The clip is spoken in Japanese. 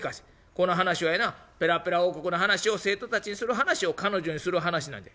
この話はやなペラペラ王国の話を生徒たちにする話を彼女にする話なんじゃ」。